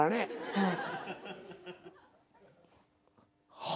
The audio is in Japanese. はい。